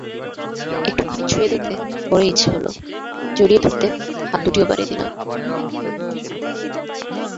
একটুখানি ছুঁয়ে দেখতে বড়ই ইচ্ছে হলো, জড়িয়ে ধরতে হাত দুটিও বাড়িয়ে দিলাম।